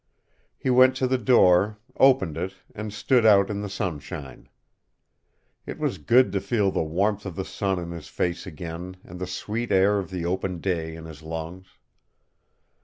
He went to the door, opened it, and stood out in the sunshine. It was good to feel the warmth of the sun in his face again and the sweet air of the open day in his lungs.